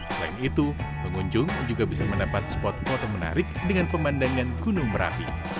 selain itu pengunjung juga bisa mendapat spot foto menarik dengan pemandangan gunung merapi